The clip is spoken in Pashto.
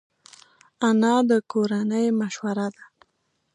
انا د کورنۍ مشوره ده